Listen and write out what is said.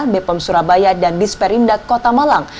bepom surabaya dan disperindak kota malang